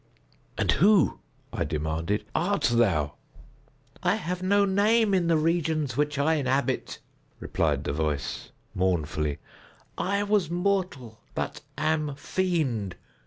"And who," I demanded, "art thou?" "I have no name in the regions which I inhabit," replied the voice, mournfully; "I was mortal, but am fiend.